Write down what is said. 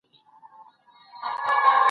که په خوړو کې مصالحې ډېرې وي.